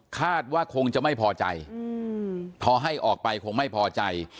คาดว่าคงจะไม่พอใจพอให้ออกไปคงไม่พอใจ